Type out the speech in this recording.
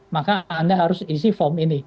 maka anda harus isi form ini